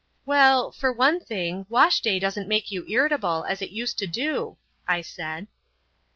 "Well, for one thing wash day doesn't make you irritable, as it used to do," I said.